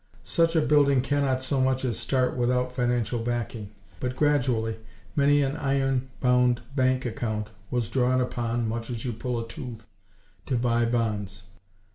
Such a building cannot so much as start without financial backing; but gradually many an iron bound bank account was drawn upon (much as you pull a tooth!), to buy bonds.